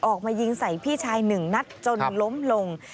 ออกมายิงใส่พี่ชาย๑นัดจนล้มลง